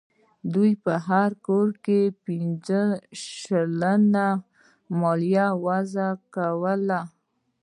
دوی پر هر کور پنځه شلینګه مالیه وضع کوله.